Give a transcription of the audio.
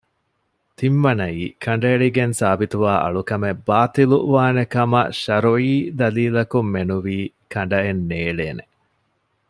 ތިންވަނައީ ކަނޑައެޅިގެން ސާބިތުވާ އަޅުކަމެއް ބާޠިލުވާނެކަމަށް ޝަރުޢީ ދަލީލަކުންމެނުވީ ކަނޑައެއްނޭޅޭނެ